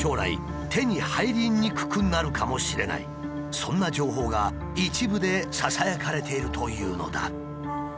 そんな情報が一部でささやかれているというのだ。